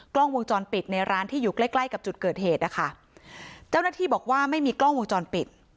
กล้องวงจรปิดในร้านที่อยู่ใกล้ใกล้กับจุดเกิดเหตุนะคะเจ้าหน้าที่บอกว่าไม่มีกล้องวงจรปิด